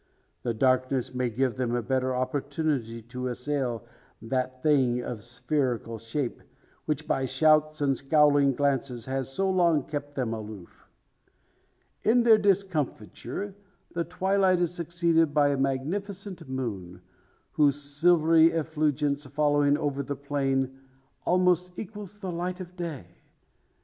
The darkness may give them a better opportunity to assail that thing of spherical shape, which by shouts, and scowling glances, has so long kept them aloof. To their discomfiture, the twilight is succeeded by a magnificent moon, whose silvery effulgence falling over the plain almost equals the light of day.